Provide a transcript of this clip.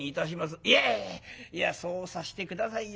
いやいやそうさせて下さいよ。